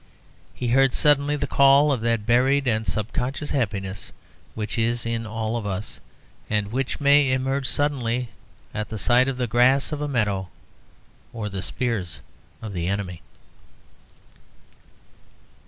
He heard suddenly the call of that buried and subconscious happiness which is in all of us, and which may emerge suddenly at the sight of the grass of a meadow or the spears of the enemy.